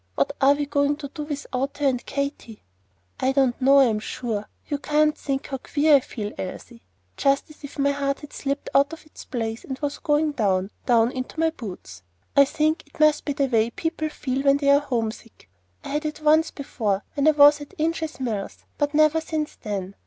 What are we going to do without her and Katy?" "I don't know I'm sure. You can't think how queer I feel, Elsie, just as if my heart had slipped out of its place, and was going down, down into my boots. I think it must be the way people feel when they are homesick. I had it once before when I was at Inches Mills, but never since then.